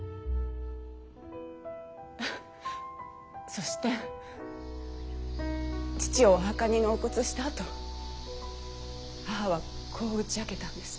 そして父をお墓に納骨したあと母はこう打ち明けたんです。